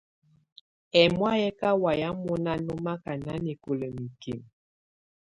Ɛ̀mɔ̀á yɛ̀ kà wayɛ̀á mɔ̀na nɔmaka nanɛkɔla mikimǝ.